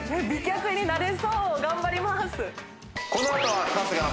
美脚になれそう頑張ります